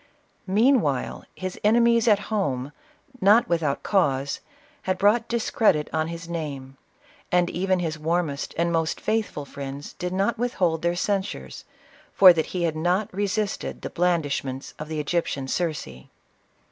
Meanwhile, his enemies at home, not without cause, had brought discredit on his name ; and even his wannest and most faithful friends did not withhold their cenSures, for that he had not resisted the bland ishments of the Egyptian Circe.